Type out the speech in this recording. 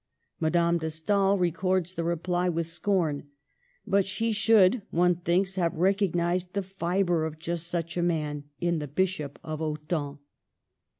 Madame de Stael records the reply with scorn ; but she should, one. thinks* have recog nized the fibre of just such a man in the Bishop of Autun.